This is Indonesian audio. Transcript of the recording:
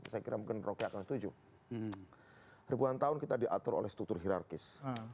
saya kira mungkin roky akan setuju ribuan tahun kita diatur oleh struktur hirarkis